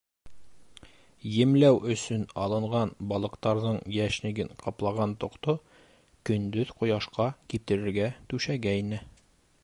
Емләү өсөн алынған балыҡтарҙың йәшниген ҡаплаған тоҡто көндөҙ ҡояшҡа киптерергә түшәгәйне.